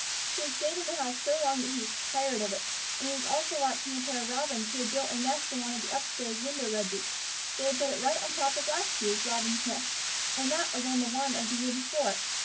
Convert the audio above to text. He had stayed in the house so long that he was tired of it, and he was also watching a pair of Robins who had built a nest on one of the up stairs window ledges. They had put it right on top of a last year's Robins' nest, and that was on one of the year before.